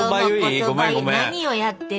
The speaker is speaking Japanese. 何をやってるんだ？